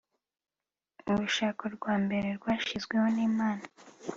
urushako rwa mbere rwashyizweho n'imana